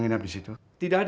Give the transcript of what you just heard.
kita pun mau dukung